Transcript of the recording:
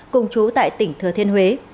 cùng chú tại tỉnh thừa thiên huế